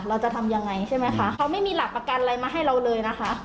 เราจะทำยังไงใช่ไหมคะเขาไม่มีหลักประกันอะไรมาให้เราเลยนะคะ